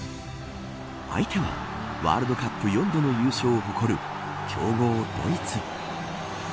相手はワールドカップ４度の優勝を誇る強豪ドイツ。